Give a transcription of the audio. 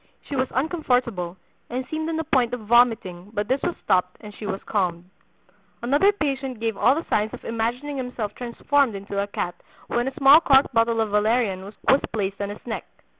She was uncomfortable, and seemed on the point of vomiting, but this was stopped, and she was calmed." Another patient gave all the signs of imagining himself transformed into a cat when a small corked bottle of valerian was placed on his neck.